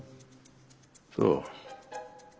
そう。